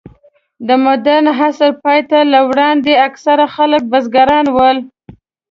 د مډرن عصر پای ته له وړاندې، اکثره خلک بزګران ول.